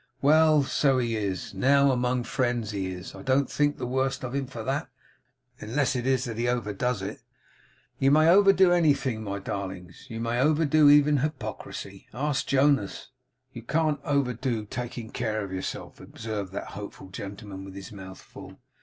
Well, so he is. Now, among friends, he is. I don't think the worse of him for that, unless it is that he overdoes it. You may overdo anything, my darlings. You may overdo even hypocrisy. Ask Jonas!' 'You can't overdo taking care of yourself,' observed that hopeful gentleman with his mouth full.